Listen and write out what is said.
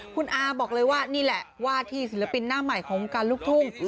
คุณอาบอกเลยว่านี่แหละว่าที่ศิลปินหน้าใหม่ของวงการลูกทุ่ง